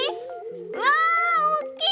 うわおっきい！